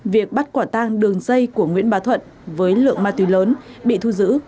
việc bắt quả tang đường dây của nguyễn bà thuận với lượng ma túy lớn bị thu giữ